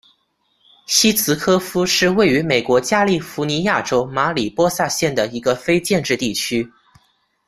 希茨科夫是位于美国加利福尼亚州马里波萨县的一个非建制地区。